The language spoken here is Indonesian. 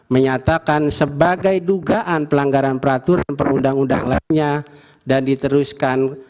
dua ribu dua puluh empat menyatakan sebagai dugaan pelanggaran peraturan perundang undang lainnya dan diteruskan